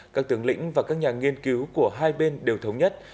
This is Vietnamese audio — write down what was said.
các tướng lĩnh và các nhà nghiên cứu của hai bên đều thống nhất